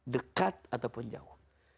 dekat ataupun jauh